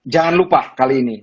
jangan lupa kali ini